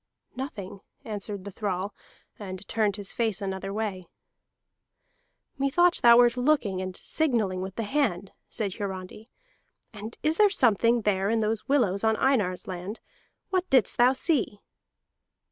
"Nothing," answered the thrall, and turned his face another way. "Methought thou wert looking, and signalling with the hand," said Hiarandi. "And is there something there in those willows on Einar's land? What didst thou see?"